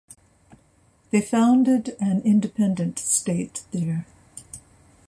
They founded an independent state there.